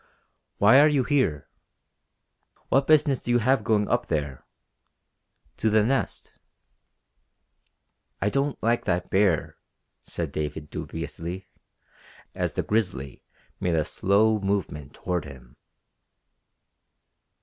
"Why are you here? What business have you going up there to the Nest?" "I don't like that bear," said David dubiously, as the grizzly made a slow movement toward him.